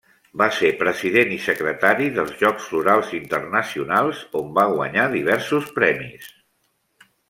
Va ser president i secretari dels Jocs Florals Internacionals, on va guanyar diversos premis.